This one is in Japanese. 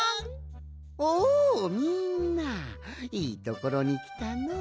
おおみんないいところにきたの。